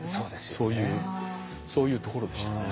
そういうそういうところでしたね。